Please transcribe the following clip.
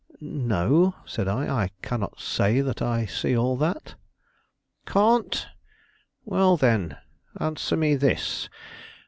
"No," said I; "I cannot say that I see all that." "Can't! Well then, answer me this.